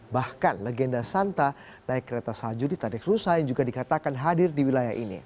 bahkan legenda santa naik kereta salju di tadek rusa yang juga dikatakan hadir di wilayah ini